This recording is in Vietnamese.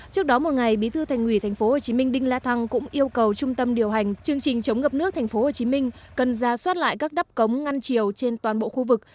trước đó một ngày bí thư thành ủy tp hcm đinh la thăng cũng yêu cầu trung tâm điều hành chương trình chống ngập nước tp hcm cần ra soát lại các đắp cống ngăn triều trên toàn bộ khu vực